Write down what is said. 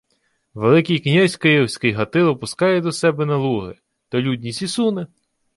— Великий князь київський Гатило пускає до себе на Луги, то людність і суне.